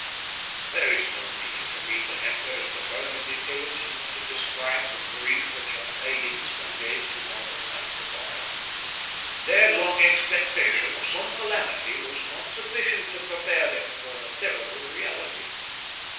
There is no need for me to enter into further details, nor to describe the grief which our tidings conveyed to mother and to daughter. Their long expectation of some calamity was not sufficient to prepare them for the terrible reality.